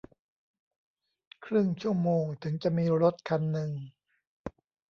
ครึ่งชั่วโมงถึงจะมีรถคันนึง